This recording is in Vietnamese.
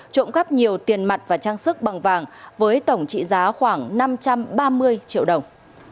trộm cắp nhiều tiền mặt và trang sức bằng vàng với tổng trị giá khoảng năm trăm ba mươi triệu đồng